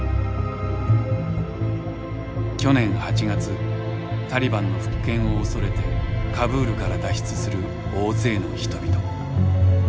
去年８月タリバンの復権を恐れてカブールから脱出する大勢の人々。